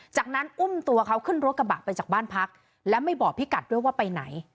จากนั้นอุ้มตัวเขาขึ้นรถกระบะไปจากบ้านพักและไม่บอกพี่กัดด้วยว่าไปไหน